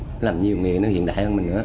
nó làm nhiều nghề nó hiện đại hơn mình nữa